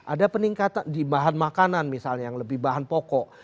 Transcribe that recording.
ada peningkatan di bahan makanan misalnya yang lebih bahan pokok